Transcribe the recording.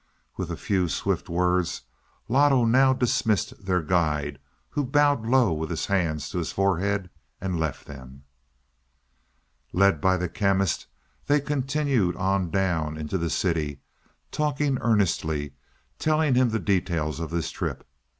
With a few swift words Loto now dismissed their guide, who bowed low with his hands to his forehead and left them. Led by the Chemist, they continued on down into the city, talking earnestly, telling him the details of their trip.